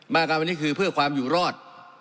มาตรการวันนี้คือเพื่อความอยู่รอด